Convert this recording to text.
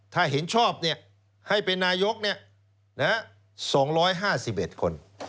ถ้าเห็นชอบเนี่ยให้เป็นนายกเนี่ย๒๕๑คน